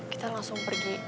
kita langsung pergi